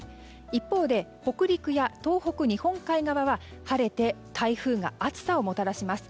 一方で、北陸や東北日本海側は晴れて台風が暑さをもたらします。